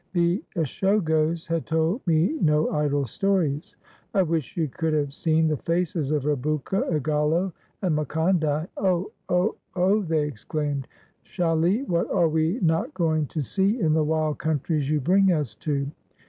The Ishogos had told me no idle stories. I wish you could have seen the faces of Rebouka, Igalo, and Macondai. "Oh! oh! oh !" they exclaimed. " Chally, what are we not going to see in the wild countries you bring us to?